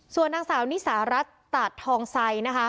ส่วนนางสาวนิสารัฐตาดทองไซนะคะ